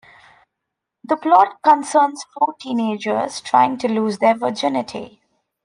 The plot concerns four teenagers trying to lose their virginity.